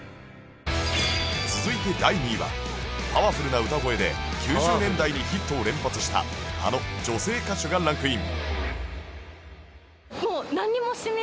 続いて第２位はパワフルな歌声で９０年代にヒットを連発したあの女性歌手がランクイン